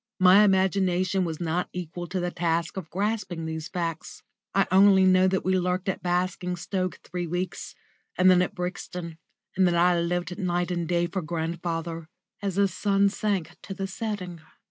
My imagination was not equal to the task of grasping these facts. I only know that we lurked at Basingstoke three weeks, and then at Brixton; and that I lived night and day for grandfather, as his sun sank to the setting.